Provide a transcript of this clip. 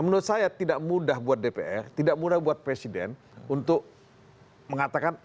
menurut saya tidak mudah buat dpr tidak mudah buat presiden untuk mengatakan